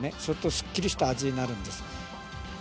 そうするとすっきりした味になるんです。